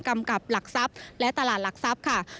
ำกับหลักทรัพย์และตลาดหลักทรัพย์ค่ะ